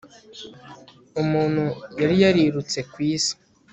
Umuntu yari yarirutse kwisi